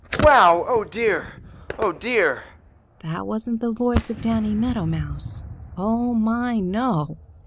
Wow! Oh, dear! Oh, dear!" That wasn't the voice of Danny Meadow Mouse. Oh, my, no!